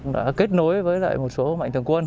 đã kết nối với một số mạnh thường quân